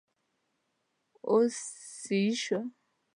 اوس سيي شو!